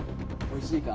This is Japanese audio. おいしいか。